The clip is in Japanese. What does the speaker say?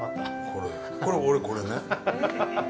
これ、俺これね。